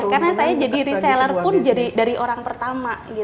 karena saya jadi reseller pun dari orang pertama